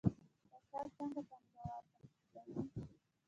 فساد څنګه پانګوال تښتوي؟